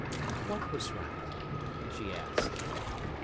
"What was right?" she asked.